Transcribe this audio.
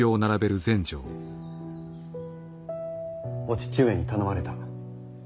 お父上に頼まれた。